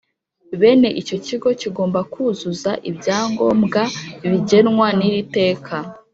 Bene icyo kigo kigomba kuzuza ibyangombwa bigenwa n’iri teka